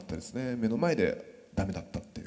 目の前で駄目だったっていうかうん。